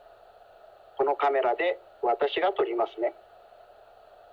このカメラでわたしがとりますね。